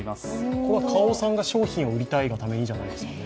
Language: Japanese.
ここは花王さんが商品を売りたいがためにじゃないですよね。